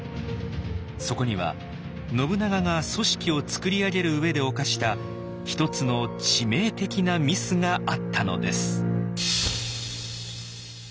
そこには信長が組織をつくり上げる上で犯した一つの致命的なミスがあったのです。